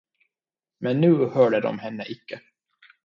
Men nu hörde de henne icke.